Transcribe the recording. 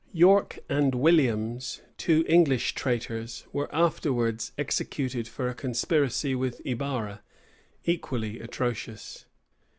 [*] York and Williams, two English traitors, were afterwards executed for a conspiracy with Ibarra, equally atrocious.